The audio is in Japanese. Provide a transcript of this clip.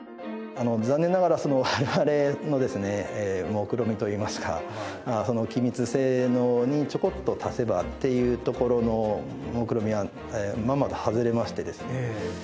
残念ながら我々のもくろみといいますかその気密性能にちょこっと足せばっていうところのもくろみはまんまと外れましてですね。